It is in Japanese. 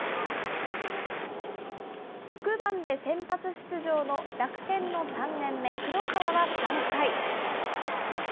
６番で先発出場の楽天の３年目、黒川は３回。